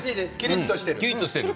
キリッとしてる。